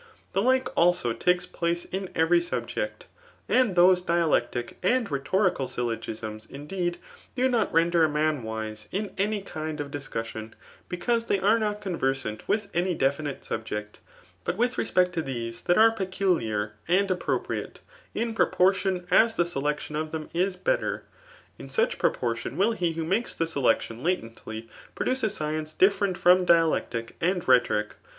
The like, also, take place in every subject. And those [dialectic and rhetorical syllo^sms,] indeed, do not render a man wise in any kind of discussion, be cause they are not conversant with any [definite^ subject ; but with respect to these [that are peculiar and appn> jiriate,] in proportion as the selection of them is better, in such proportion will he who makes the selection latently produce a science different from dblectic and Thetoric.